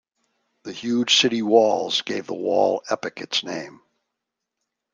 The huge city walls gave the wall epoch its name.